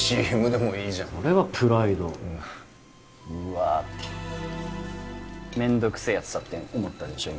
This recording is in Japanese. ＣＭでもいいじゃんそれはプライドうわ「うわ」ってめんどくせえやつだって思ったでしょ